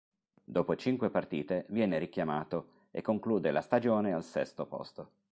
Dopo cinque partite viene richiamato e conclude la stagione al sesto posto.